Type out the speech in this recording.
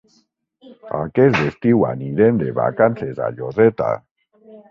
Aquest estiu anirem de vacances a Lloseta.